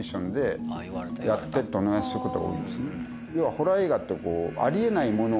ホラー映画って。